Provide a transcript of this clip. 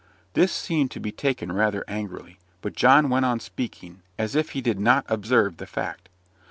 This seemed to be taken rather angrily; but John went on speaking, as if he did not observe the fact.